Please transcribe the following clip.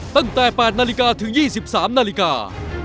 ตั้งแต่๘นาฬิกาถึง๒๓นาฬิกา